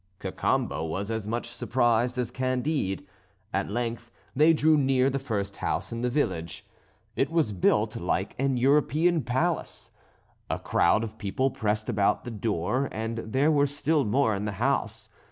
Cacambo was as much surprised as Candide. At length they drew near the first house in the village. It was built like an European palace. A crowd of people pressed about the door, and there were still more in the house.